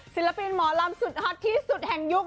ศิลปินหมอลำสุดฮอตที่สุดแห่งยุค